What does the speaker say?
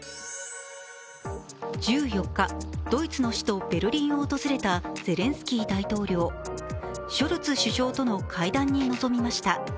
１４日、ドイツの首都ベルリンを訪れたゼレンスキー大統領、ショルツ首相との会談に臨みました。